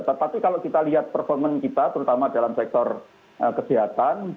tapi kalau kita lihat performa kita terutama dalam sektor kebijakan